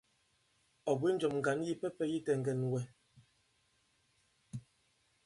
Ɔ̀ bwě njɔ̀m ŋgǎn yipɛpɛ yi tɛŋgɛn wɛ.